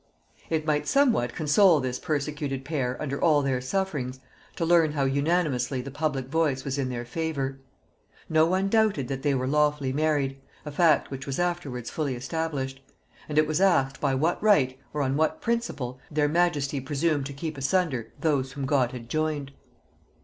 It might somewhat console this persecuted pair under all their sufferings, to learn how unanimously the public voice was in their favor. No one doubted that they were lawfully married, a fact which was afterwards fully established, and it was asked, by what right, or on what principle, her majesty presumed to keep asunder those whom God had joined?